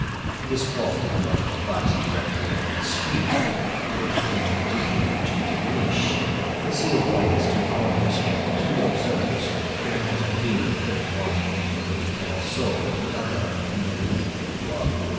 This wall did not abut directly on the street; it formed a deeply retreating niche, concealed by its two corners from two observers who might have been, one in the Rue Polonceau, the other in the Rue Droit Mur.